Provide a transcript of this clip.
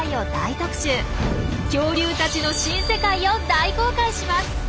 「恐竜たちの新世界」を大公開します！